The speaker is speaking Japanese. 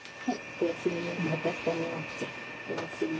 おやすみ。